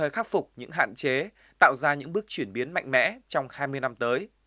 khắc phục những hạn chế tạo ra những bước chuyển biến mạnh mẽ trong hai mươi năm tới